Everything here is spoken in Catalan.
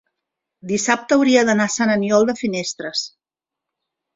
dissabte hauria d'anar a Sant Aniol de Finestres.